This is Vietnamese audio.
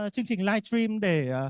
chương trình live stream để